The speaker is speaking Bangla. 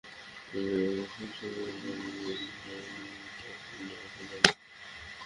আমি নার্ভাস থাকতাম, কারণ আমি জানতাম আমি তার পর্যায়ের খেলোয়াড় নই।